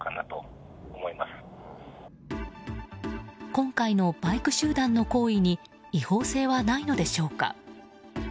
今回のバイク集団の行為に違法性はないのでしょうか。